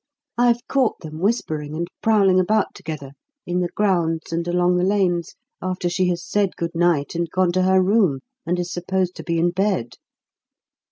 I've caught them whispering and prowling about together, in the grounds and along the lanes, after she has said 'Good night,' and gone to her room and is supposed to be in bed.